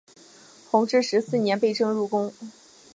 弘治十四年被征入宫。